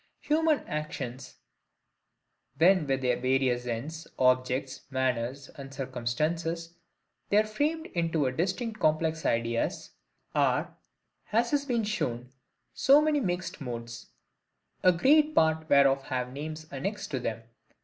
Human actions, when with their various ends, objects, manners, and circumstances, they are framed into distinct complex ideas, are, as has been shown, so many MIXED MODES, a great part whereof have names annexed to them.